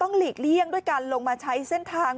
หลีกเลี่ยงด้วยการลงมาใช้เส้นทาง